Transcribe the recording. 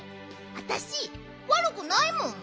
あたしわるくないもん。